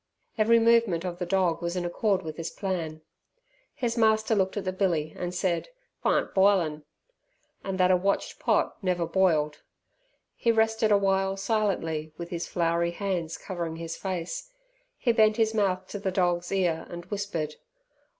Every movement of the dog was in accord with this plan. His master looked at the billy, and said, "'twarn't bilin'," and that a watched pot never boiled. He rested a while silently with his floury hands covering his face. He bent his mouth to the dog's ear and whispered.